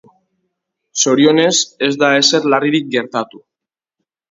Zorionez, ez da ezer larririk gertatu.